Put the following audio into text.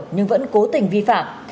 nhưng vẫn cố tình vi phạm